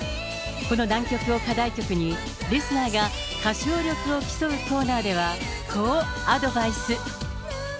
この難曲を課題曲に、リスナーが歌唱力を競うコーナーでは。